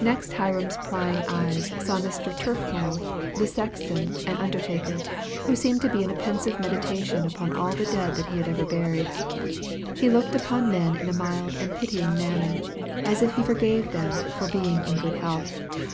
Next, Hiram's prying eyes saw Mr. Turfmould, the sexton and undertaker, who seemed to be in a pensive meditation upon all the dead that he had ever buried. He looked upon men in a mild and pitying manner, as if he forgave them for being in good health.